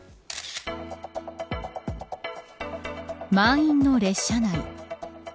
満員の列車内。